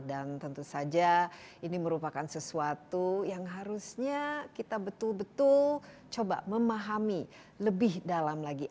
dan tentu saja ini merupakan sesuatu yang harusnya kita betul betul coba memahami lebih dalam lagi